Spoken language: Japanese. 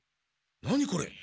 何これ？